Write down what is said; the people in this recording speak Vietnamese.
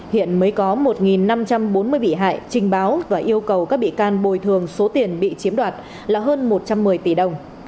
hiện mới có một năm trăm bốn mươi bị hại trình báo và yêu cầu các bị can bồi thường số tiền bị chiếm đoạt là hơn một trăm một mươi tỷ đồng